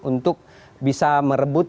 untuk bisa merebut